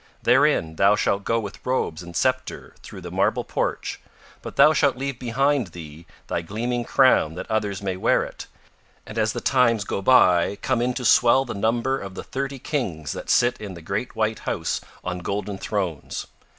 Therein thou shalt go with robes and sceptre through the marble porch, but thou shalt leave behind thee thy gleaming crown that others may wear it, and as the times go by come in to swell the number of the thirty Kings that sit in the great white house on golden thrones.